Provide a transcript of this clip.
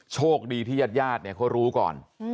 โชคดีที่ญาติญาติเนี่ยเขารู้ก่อน